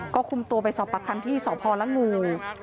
ก็คุมตัวไปสอบประคัมที่สพละงู